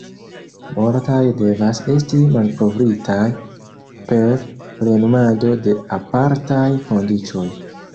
Multaj devas esti malkovritaj per plenumado de apartaj kondiĉoj.